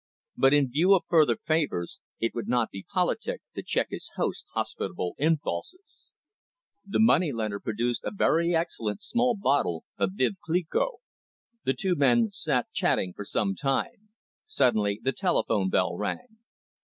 But, in view of further favours, it would not be politic to check his host's hospitable impulses. The moneylender produced a very excellent small bottle of veuve cliquot. The two men sat chatting for some time. Suddenly, the telephone bell rang.